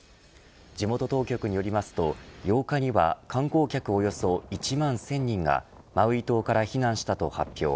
地元当局によりますと８日には観光客およそ１万１０００人がマウイ島から避難したと発表。